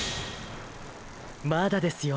まだですよ？